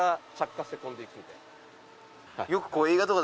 よく。